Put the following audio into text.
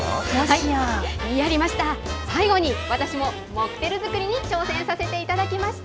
最後に私もモクテル作りに挑戦させていただきました。